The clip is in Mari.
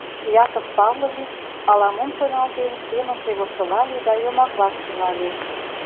Яков Павлович, ала-мом шоналтен, семынже воштылале да йомаклаш тӱҥале.